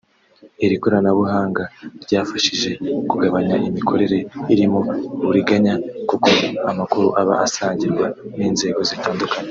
Iri koranabuhanga ryafashije kugabanya imikorere irimo uburiganya kuko amakuru aba asangirwa n’inzego zitandukanye